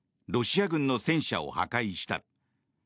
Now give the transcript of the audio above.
ロシア軍の戦車を破壊した。